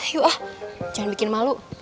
yuk ah jangan bikin malu